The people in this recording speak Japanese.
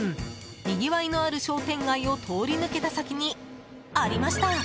にぎわいのある商店街を通り抜けた先にありました。